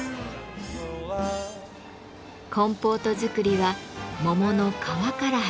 コンポートづくりは桃の「皮」から始まります。